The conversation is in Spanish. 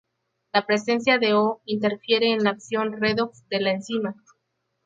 La presencia de O interfiere en la acción redox de la enzima.